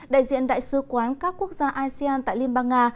đại diện đại sứ quán các quốc gia asean tại liên bang nga